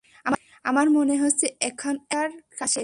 আমার মনে হচ্ছে, এখানকার কাজ শেষ।